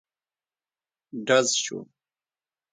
ډز شو.